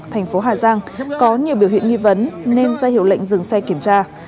thành phố hà giang có nhiều biểu hiện nghi vấn nên sẽ hiểu lệnh dừng xe kiểm tra